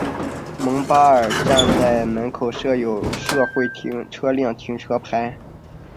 蒙巴尔站门口设有社会车辆停车场。